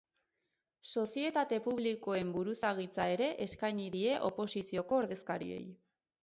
Sozietate publikoen buruzagitza ere eskaini die oposizioko ordezkariei.